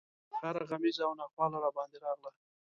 هره غمیزه او ناخواله راباندې راغله.